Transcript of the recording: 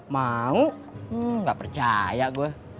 mau gak percaya gue